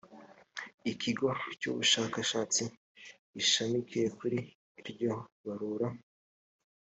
ikigo cy ubushakashatsi gishamikiye kuri iryo barura